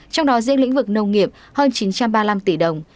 trong đó riêng lĩnh vực nông nghiệp hơn chín trăm ba mươi năm tỷ đồng